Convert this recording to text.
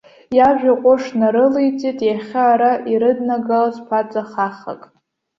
Иажәа ҟәыш нарылеиҵеит иахьа ара ирыднагалаз ԥаҵа хахак.